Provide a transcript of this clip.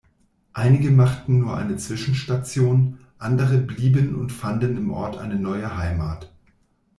Einige machten nur eine Zwischenstation, andere blieben und fanden im Ort eine neue Heimat.